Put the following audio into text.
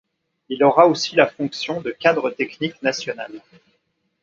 Il aura aussi la fonction de cadre technique national.